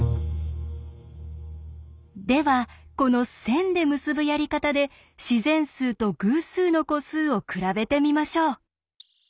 ではこの線で結ぶやり方で自然数と偶数の個数を比べてみましょう。